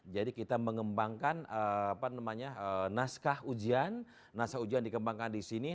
jadi kita mengembangkan naskah ujian naskah ujian dikembangkan di sini